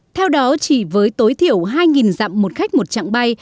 theo đó chỉ với tối thiểu hai dặm một khách một chặng bay